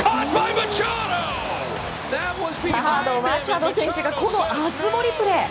サード、マチャド選手がこの熱盛プレー！